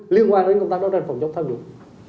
liên quan đến công tác đấu tranh phòng chống tham nhũng